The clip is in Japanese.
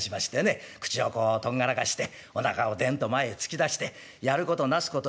口をこうとんがらかしておなかをデンと前へ突き出してやることなすこと